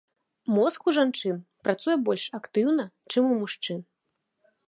Мозг у жанчын працуе больш актыўна, чым у мужчын.